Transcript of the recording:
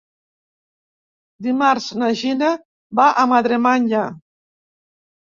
Dimarts na Gina va a Madremanya.